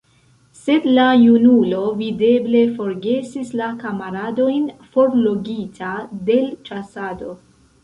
Sed la junulo, videble, forgesis la kamaradojn, forlogita de l' ĉasado.